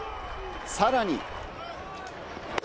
さらに。